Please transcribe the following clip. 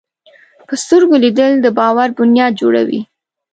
په سترګو لیدل د باور بنیاد جوړوي